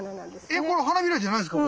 えこれ花びらじゃないんですか？